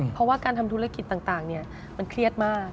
เพราะว่าการทำธุรกิจต่างมันเครียดมาก